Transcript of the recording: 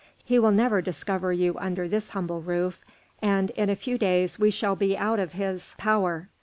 He will never discover you under this humble roof, and in a few days we shall be out of his power.